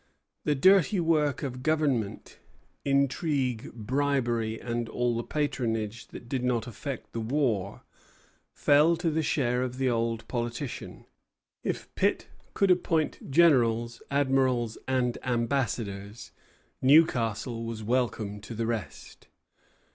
The dirty work of government, intrigue, bribery, and all the patronage that did not affect the war, fell to the share of the old politician. If Pitt could appoint generals, admirals, and ambassadors, Newcastle was welcome to the rest.